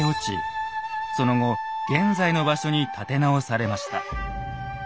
その後現在の場所に建て直されました。